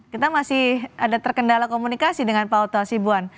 kita masih ada terkendala komunikasi dengan pak otto hasibuan